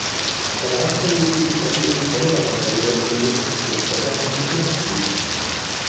Danach verlegten sich die alliierten Bomberverbände zunehmend auf Schlechtwetter- und Nachtflüge.